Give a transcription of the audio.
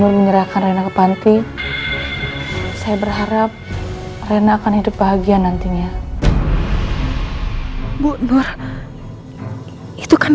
untung gak ketahuan